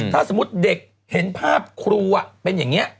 ถ้าสมมุติเด็กเห็นภาพครูเป็นอย่างนี้